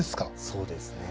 そうですね。